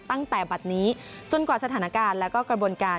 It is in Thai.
ตั้งแต่บัดนี้จนกว่ากษัฐนาการและกระบวนการ